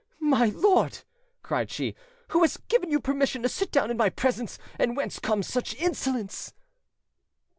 "My lord," cried she, "who has given you permission to sit down in my presence, and whence comes such insolence?"